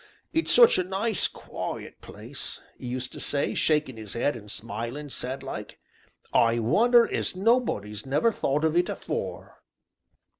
It's such a nice, quiet place,' e used to say, shakin' 'is 'ead, and smilin' sad like, 'I wonder as nobody's never thought of it afore.'